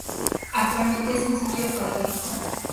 Actualmente es un sitio arqueológico.